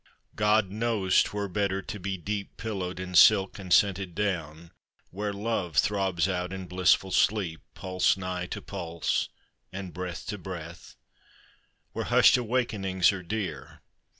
God knows 'twere better to be deep Pillowed in silk and scented down, Where Love throbs out in blissful sleep, Pulse nigh to pulse, and breath to breath, Where hushed awakenings are dear